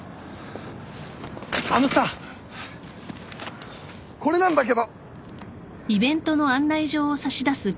あのさこれなんだけど！